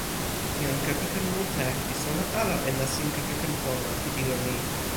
jan kepeken mute li sona ala e nasin kepeken pona pi ilo ni.